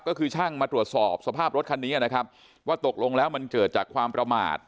ก็คือช่างมาตรวจสอบสภาพรถคันนี้นะครับว่าตกลงแล้วมันเกิดจากความประมาท